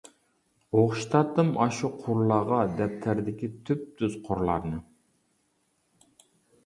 ئوخشىتاتتىم ئاشۇ قۇرلارغا، دەپتەردىكى تۈپتۈز قۇرلارنى.